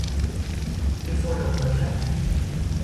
Τι φούρκα που μ' έπιανε!